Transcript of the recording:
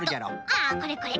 これこれ。